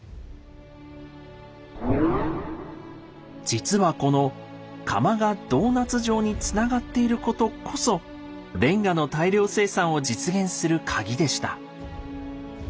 実はこの窯がドーナツ状につながっていることこそレンガの大量生産を実現するカギでした。